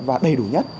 và đầy đủ nhất